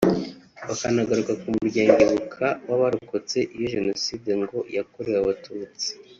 bakanagaruka ku muryango Ibuka w’abarokotse iyo jenoside ngo yakorewe abatutsi